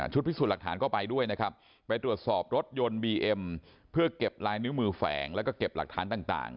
พิสูจน์หลักฐานก็ไปด้วยนะครับไปตรวจสอบรถยนต์บีเอ็มเพื่อเก็บลายนิ้วมือแฝงแล้วก็เก็บหลักฐานต่าง